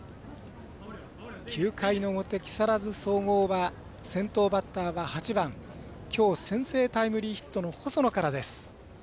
９回の表、木更津総合は先頭バッターは８番、きょう先制タイムリーヒットの細野からです。